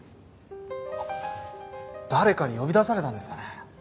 あっ誰かに呼び出されたんですかね？